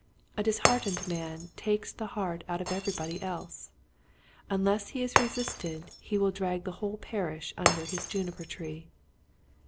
A disheartened man takes the heart out of everybody else. Unless he is resisted he will drag the whole parish under his juniper tree.